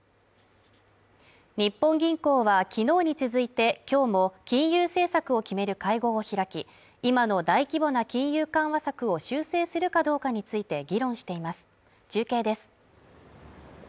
日本銀行はきのうに続いて今日も金融政策を決める会合を開き今の大規模な金融緩和策を修正するかどうかについて議論しています中継です